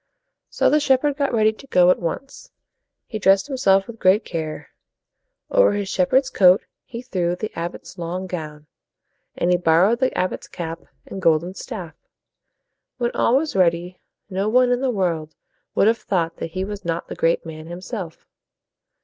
So the shepherd got ready to go at once. He dressed himself with great care. Over his shepherd's coat he threw the abbot's long gown, and he bor rowed the abbot's cap and golden staff. When all was ready, no one in the world would have thought that he was not the great man himself.